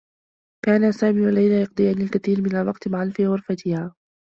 كانا سامي و ليلى يقضيان الكثير من الوقت معا في غرفتها.